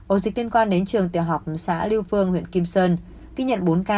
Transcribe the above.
ổ dịch liên quan đến trường tiểu học xã liêu phương huyện kim sơn